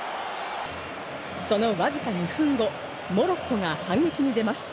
そのわずか２分後、モロッコが反撃に出ます。